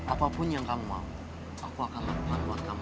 apapun yang kamu mau aku akan lakukan buat kamu